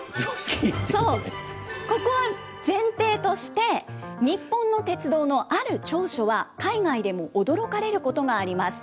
そう、ここは前提として、日本の鉄道のある長所は、海外でも驚かれることがあります。